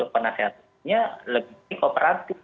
penasehatannya lebih operatif